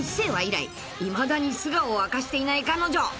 以来いまだに素顔を明かしていない彼女］